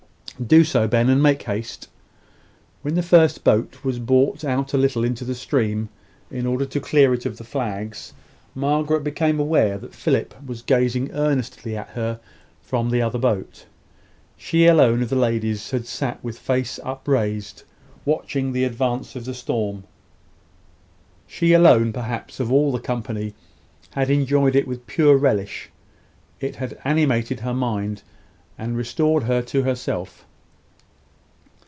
"Do so, Ben; and make haste." When the first boat was brought a little out into the stream, in order to clear it of the flags, Margaret became aware that Philip was gazing earnestly at her from the other boat. She alone of the ladies had sat with face upraised, watching the advance of the storm. She alone, perhaps, of all the company, had enjoyed it with pure relish. It had animated her mind, and restored her to herself.